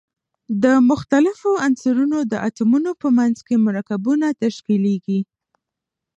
د مختلفو عنصرونو د اتومونو په منځ کې مرکبونه تشکیلیږي.